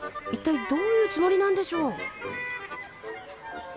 一体どういうつもりなんでしょう？